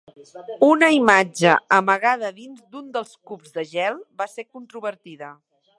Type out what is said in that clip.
Una imatge amagada dins d'un dels cubs de gel va ser controvertida.